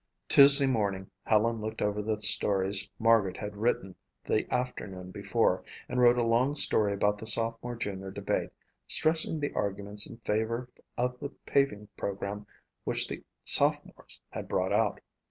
Tuesday morning Helen looked over the stories Margaret had written the afternoon before and wrote a long story about the sophomore junior debate, stressing the arguments in favor of the paving program which the sophomores had brought out.